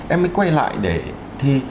em mới quay lại để thi